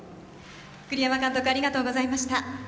栗山監督ありがとうございました。